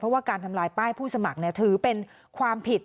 ว่าการทำลายป้ายผู้สมัครถือเป็นความผิด